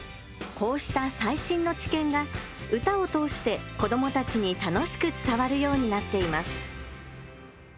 こうした最新の知見が歌を通して子どもたちに楽しく伝わるようになっています。